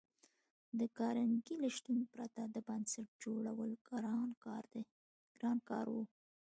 د کارنګي له شتون پرته د بنسټ جوړول ګران کار و